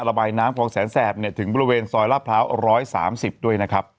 ระบายน้ำคลองแสนแสบถึงบริเวณซอยลาดพร้าว๑๓๐ด้วยนะครับ